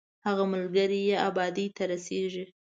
هغه ملګری یې ابادۍ ته رسېږي.